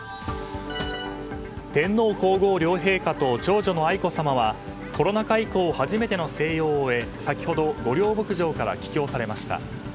天皇・皇后両陛下と長女の愛子さまはコロナ禍以降初めての静養を終え先ほど、御料牧場から帰京されました。